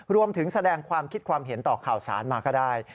รวมถึงแสดงความคิดความเห็นต่อข่าวสารมาก็ได้